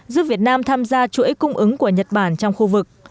giúp việt nam tham gia chuỗi cung ứng của nhật bản trong khu vực